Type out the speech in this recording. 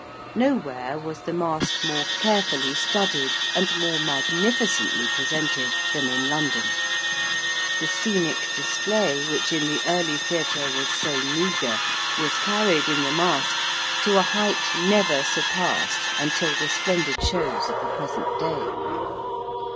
Nowhere was the Masque more carefully studied and more magnificently presented than in London. The scenic display which in the early theatre was so meagre was carried in the Masque to a height never surpassed until the splendid shows of the present day.